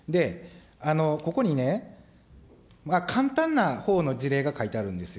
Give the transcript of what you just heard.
ここにね、簡単なほうの事例が書いてあるんですよ。